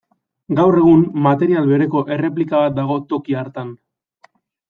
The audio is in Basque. Gaur egun, material bereko erreplika bat dago toki hartan.